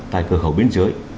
tại cửa khẩu biên giới